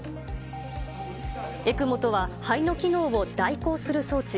ＥＣＭＯとは肺の機能を代行する装置。